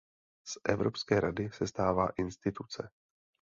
Z Evropské rady se stává instituce.